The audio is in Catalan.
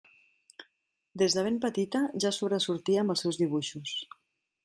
Des de ben petita ja sobresortia amb els seus dibuixos.